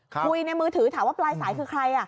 คุยในมือถือถามว่าปลายสายคือใคร